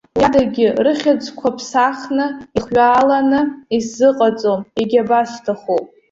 Уиадагьы, рыхьӡқәа ԥсахны, ихҩааланы исзыҟаҵом, егьабасҭаху.